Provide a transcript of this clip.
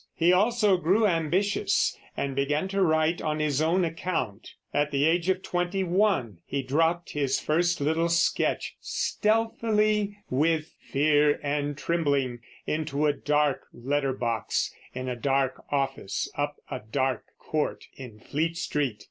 He also grew ambitious, and began to write on his own account. At the age of twenty one he dropped his first little sketch "stealthily, with fear and trembling, into a dark letter box, in a dark office up a dark court in Fleet Street."